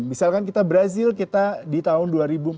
misalkan kita brazil kita di tahun dua ribu empat belas